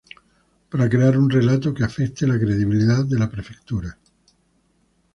Para crear un relato que afecte la credibilidad de la Prefectura.